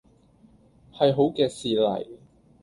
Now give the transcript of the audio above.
係好嘅事嚟